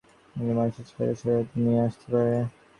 Lipstick আর একটু কাজল একজন মানুষের চেহারায় সতেজতা নিয়ে আসতে পারে।